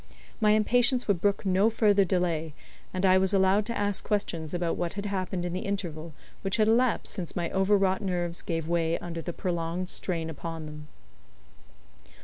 My impatience would brook no further delay, and I was allowed to ask questions about what had happened in the interval which had elapsed since my over wrought nerves gave way under the prolonged strain upon them.